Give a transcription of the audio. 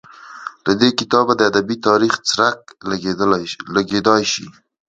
له دې کتابه د ادبي تاریخ څرک لګېدای شي.